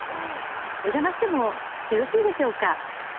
お邪魔してもよろしいでしょうかね。